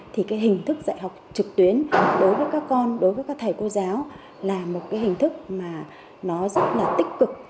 thì hình thức dạy học trực tuyến đối với các con đối với các thầy cô giáo là một hình thức rất tích cực